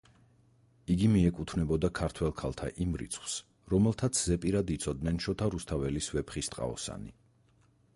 იგი მიეკუთვნებოდა ქართველ ქალთა იმ რიცხვს, რომელთაც ზეპირად იცოდნენ შოთა რუსთაველის „ვეფხისტყაოსანი“.